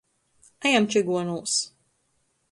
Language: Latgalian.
Ejam čyguonūs!